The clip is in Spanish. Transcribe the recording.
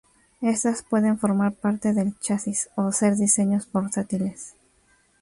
Estas pueden formar parte del chasis o ser diseños portátiles.